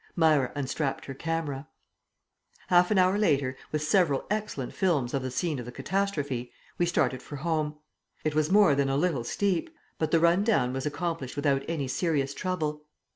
Myra unstrapped her camera. Half an hour later, with several excellent films of the scene of the catastrophe, we started for home. It was more than a little steep, but the run down was accomplished without any serious trouble.